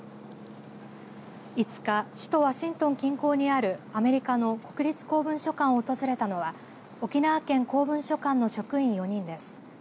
５日、首都ワシントン近郊にあるアメリカの国立公文書館を訪れたのは沖縄県公文書館の職員４人です。